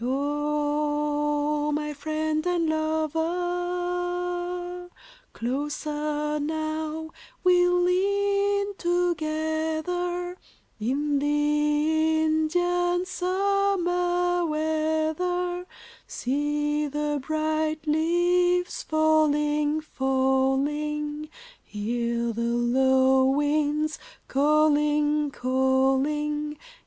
O my friend and lover, Closer now we lean together In the Indian summer weather; See the bright leaves falling, falling, Hear the low winds calling, calling.